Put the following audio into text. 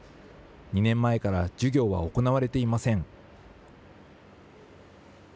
２年前から授業は行われていません。